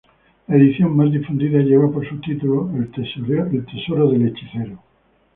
La edición más difundida lleva por subtítulo El tesoro del hechicero.